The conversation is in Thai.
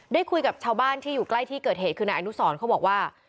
ได้คุยกับชาวบ้านที่อยู่ใกล้ที่เกิดเหตุคือนายอนุสรเขาบอกว่า